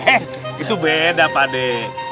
heh itu beda pak dek